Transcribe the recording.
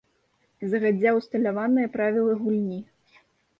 Загадзя ўсталяваныя правілы гульні.